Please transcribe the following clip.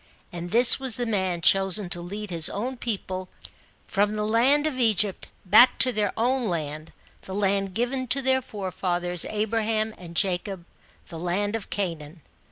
And this was the man chosen to lead his own people from the 1^'id of Egypt, back to their own land the land given to their fc/efathers Abraham and Jacob the land of Canaan.